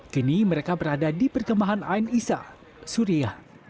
kini mereka berada di perkemahan ain isa suriah